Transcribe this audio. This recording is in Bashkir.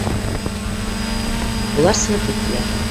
Улар сығып киттеләр.